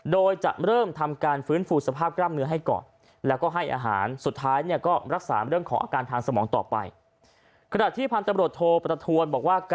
โดยจะเริ่มทำการฟื้นฟูสภาพกล้ามเนื้อให้ก่อน